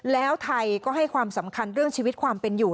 แล้วไทยก็ให้ความสำคัญเรื่องชีวิตความเป็นอยู่